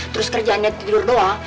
terus kerjaannya tidur doang